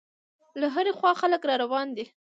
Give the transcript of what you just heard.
له هرې خوا خلک را روان دي.